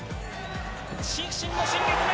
伸身の新月面。